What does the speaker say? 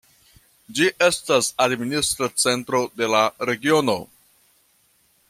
Ĝi estas administra centro de la regiono.